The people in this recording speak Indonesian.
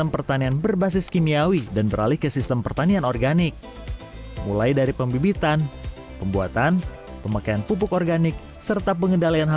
petani asal desa jati arjo sejak sepuluh tahun lalu